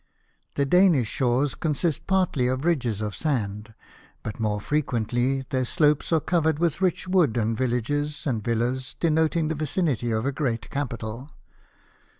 The Danish shores consist partly of ridges of sand, but, more frequently, their slopes are covered with rich wood, and villages and villas, denoting the vicinity of a great capital.